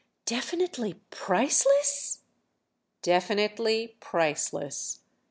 "Definitely priceless?" "Definitely priceless."